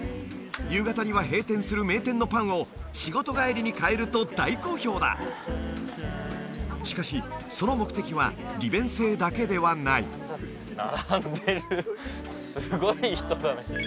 夕方には閉店する名店のパンを仕事帰りに買えると大好評だしかしその目的は利便性だけではない並んでるすごい人だね